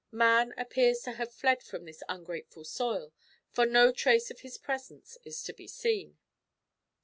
Man appears to have fled from this ungrateful soil, for no trace of his presence is to be seen."